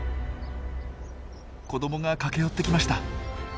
子どもが駆け寄ってきました。